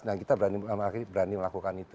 nah kita berani melakukan itu